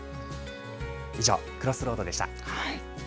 以上、Ｃｒｏｓｓｒｏａｄでした。